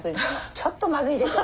ちょっとまずいでしょ。